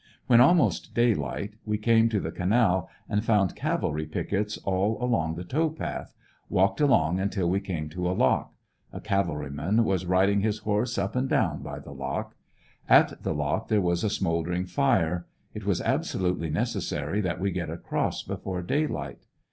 When almost daylight we came to the canal, and found cavalry pickets all along the tow path; walked along until we came to a lock. A cavalryman was riding his horse up and down by the lock. At the lock there was a smouldering tire. It was absolutely necessary that we get across before daylight.